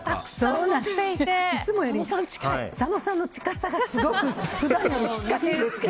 いつもより佐野さんの近さがすごいです。